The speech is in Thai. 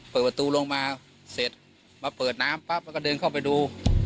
เปิดประตูลงมาเสร็จมาเปิดน้ำปั๊บแล้วก็เดินเข้าไปดู